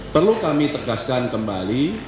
perlu kami tegaskan kembali